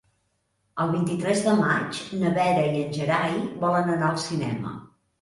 El vint-i-tres de maig na Vera i en Gerai volen anar al cinema.